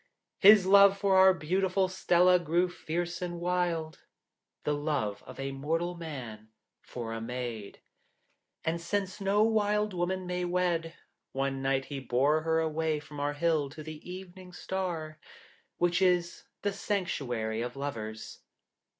His love for our beautiful Stella grew fierce and wild the love of a mortal man for a maid. And since no Wild Woman may wed, one night he bore her away from our hill to the evening star, which is the sanctuary of lovers.